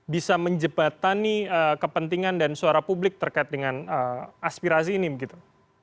bisa menjebatani kepentingan dan suara publik terkait dengan aspirasi ini begitu